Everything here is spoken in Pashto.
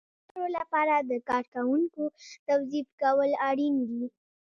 د چارو لپاره د کارکوونکو توظیف کول اړین دي.